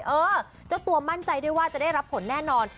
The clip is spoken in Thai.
เออเจ้าตัวมั่นใจด้วยว่าจะได้รับผลแน่นอน